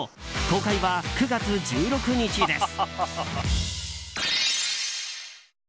公開は９月１６日です。